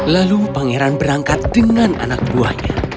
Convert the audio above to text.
lalu pangeran berangkat dengan anak buahnya